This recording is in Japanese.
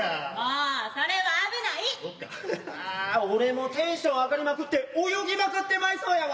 ああ俺もテンション上がりまくって泳ぎまくってまいそうやわ。